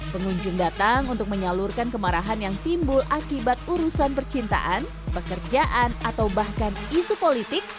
pengunjung datang untuk menyalurkan kemarahan yang timbul akibat urusan percintaan pekerjaan atau bahkan isu politik